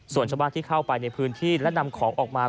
ส่วนชาวบ้านที่เข้าไปในพื้นที่และนำของออกมา